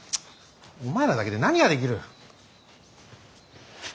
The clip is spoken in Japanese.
お前らだけで何ができる。